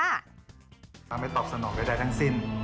ทำให้ตอบสนองได้ทั้งสิ้น